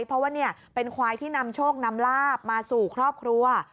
เพราะว่าเป็นควายที่นำโชคนำลาบมาสู่ครอบครัว